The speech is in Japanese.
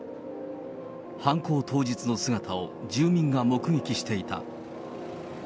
犯行当日の姿を、住民が目撃していた。